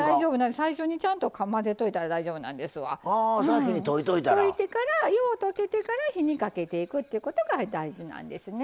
最初にちゃんと混ぜておいたら大丈夫なんですわ。といてから、火にかけていくっていうことが大事なんですね。